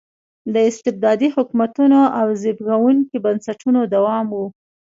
د استبدادي حکومتونو او زبېښونکو بنسټونو دوام و.